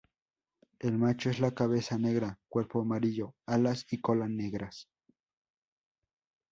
El macho es de cabeza negra, cuerpo amarillo, alas y cola negras.